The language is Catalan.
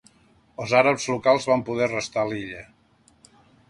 Els àrabs locals van poder restar a l'illa.